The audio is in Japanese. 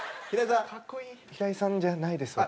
平井さんじゃないです私。